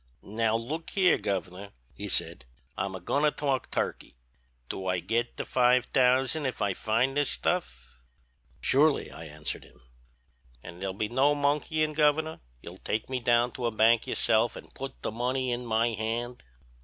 "'Now look here, Governor,' he said, 'I'm a goin' to talk turkey; do I git the five thousand if I find this stuff?' "'Surely,' I answered him. "'An' there'll be no monkeyin', Governor; you'll take me down to a bank yourself an' put the money in my hand?'